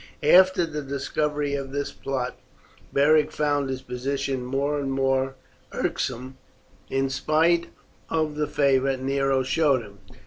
After the discovery of this plot Beric found his position more and more irksome in spite of the favour Nero showed him.